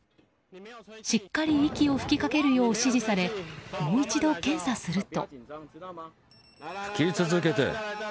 しっかり息を吹きかけるよう指示され、もう一度検査すると。